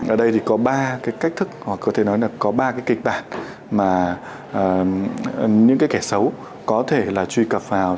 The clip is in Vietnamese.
ở đây có ba cách thức hoặc có thể nói là có ba kịch bản mà những kẻ xấu có thể truy cập vào